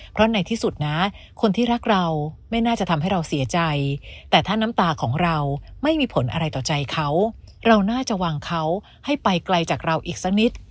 เพราะในที่สุดนะคนที่รักเราไม่น่าจะทำให้เราเสียใจแต่ถ้าน้ำตาของเราไม่มีผลอะไรต่อใจเขาเราน่าจะวางเขาให้ไปไกลจากเราอีกสักนิด